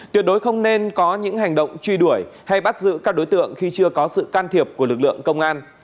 tuyệt đối không nên có những hành động truy đuổi hay bắt giữ các đối tượng khi chưa có sự can thiệp của lực lượng công an